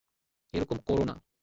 এরকম করো না!